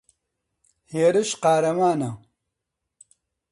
هێرش قارەمانە.